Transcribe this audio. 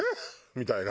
みたいな。